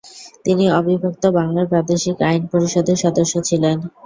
তিনি অবিভক্ত বাংলার প্রাদেশিক আইন পরিষদের সদস্য ছিলেন।